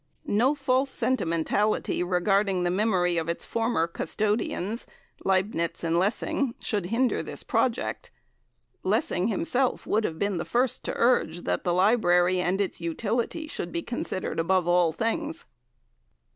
No false sentimentality regarding the memory of its former custodians, Leibnitz and Lessing, should hinder this project. Lessing himself would have been the first to urge that the library and its utility should be considered above all things."